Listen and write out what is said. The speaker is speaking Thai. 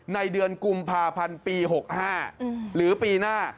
ในเดือนกุมภาพันธ์ปี๖๕หรือปีหน้า